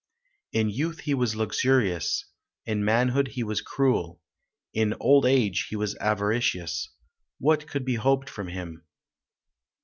In youth he was luxurious; In manhood he was cruel; In old age he was avaricious: What could be hoped from him?